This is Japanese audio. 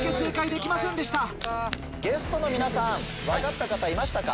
ゲストの皆さん分かった方いましたか？